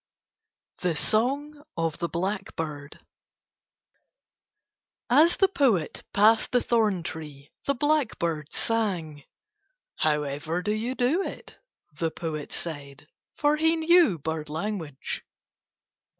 THE SONG OF THE BLACKBIRD As the poet passed the thorn tree the blackbird sang. "How ever do you do it?" the poet said, for he knew bird language.